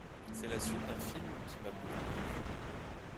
C'est la suite d'un film qui m'a beaucoup plu.